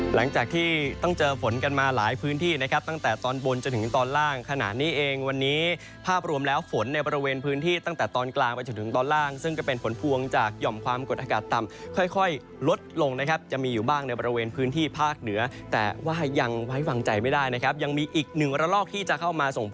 หลังจากที่ต้องเจอฝนกันมาหลายพื้นที่นะครับตั้งแต่ตอนบนจนถึงตอนล่างขณะนี้เองวันนี้ภาพรวมแล้วฝนในบริเวณพื้นที่ตั้งแต่ตอนกลางไปจนถึงตอนล่างซึ่งก็เป็นผลพวงจากหย่อมความกดอากาศต่ำค่อยลดลงนะครับจะมีอยู่บ้างในบริเวณพื้นที่ภาคเหนือแต่ว่ายังไว้วางใจไม่ได้นะครับยังมีอีกหนึ่งระลอกที่จะเข้ามาส่ง